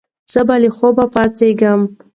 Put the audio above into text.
زه له خوبه پاڅېږم.